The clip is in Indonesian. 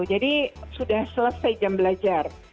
jadi sudah selesai jam belajar